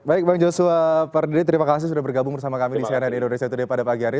baik bang joshua perdi terima kasih sudah bergabung bersama kami di cnn indonesia today pada pagi hari ini